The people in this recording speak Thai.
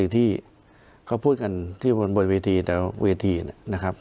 ที่พูดที่เขาบนเวียทีนะครับ